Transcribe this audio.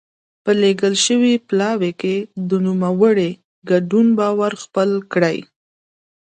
په لېږل شوي پلاوي کې د نوموړي ګډون باور خپل کړي.